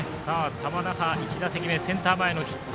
玉那覇１打席目、センター前のヒット。